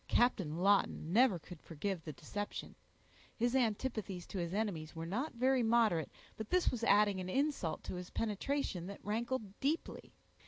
Captain Lawton never could forgive the deception; his antipathies to his enemies were not very moderate, but this was adding an insult to his penetration that rankled deeply.